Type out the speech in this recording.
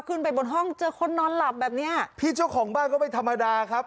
ขึ้นไปบนห้องเจอคนนอนหลับแบบเนี้ยพี่เจ้าของบ้านก็ไม่ธรรมดาครับ